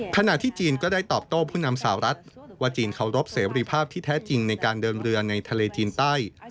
ขณะที่จีนก็ได้ตอบโต้ผู้นำสาวรัฐว่าจีนเคารพเสรีภาพที่แท้จริงในการเดินเรือในทะเลจีนใต้